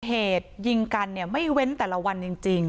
เหตุยิงกันเนี่ยไม่เว้นแต่ละวันจริง